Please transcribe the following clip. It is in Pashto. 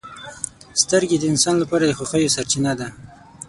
• سترګې د انسان لپاره د خوښیو سرچینه ده.